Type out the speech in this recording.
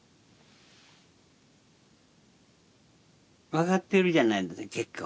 分かってるじゃない結果は。